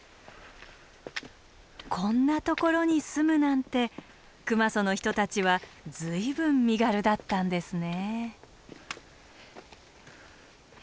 こんなところに住むなんて熊襲の人たちは随分身軽だったんですね。